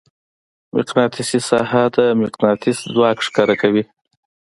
مقناطیسي ساحه د مقناطیس ځواک ښکاره کوي.